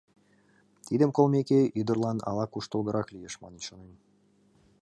Тидым колмеке, ӱдырлан ала куштылгырак лиеш манын ӱшанен.